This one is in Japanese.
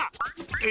え？